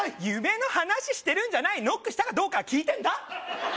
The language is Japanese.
夢の話してるんじゃないノックしたかどうか聞いてんだ